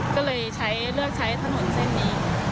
ก็เลยใช้เลือกใช้ถนนเส้นนี้